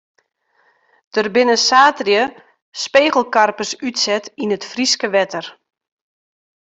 Der binne saterdei spegelkarpers útset yn it Fryske wetter.